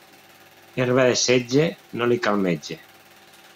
Herba de setge, no li cal metge.